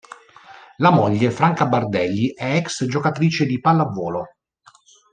La moglie Franca Bardelli è ex giocatrice di pallavolo.